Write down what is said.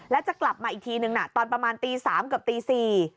แล้วจะกลับมาอีกทีนึงน่ะตอนประมาณตี๓กับตี๔